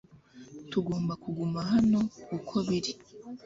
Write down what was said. Tugomba kuguma hano uko biri